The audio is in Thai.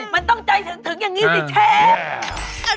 มันต้องใจถึงอย่างนี้สิเชฟ